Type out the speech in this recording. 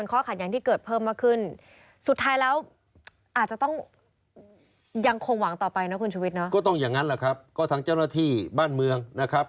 ก็ต้องอย่างนั้นแหละครับก็ทั้งเจ้าหน้าที่บ้านเมืองนะครับ